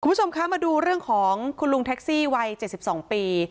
คุณผู้ชมคะมาดูเรื่องของคุณลุงแท็กซี่วัย๗๒ปี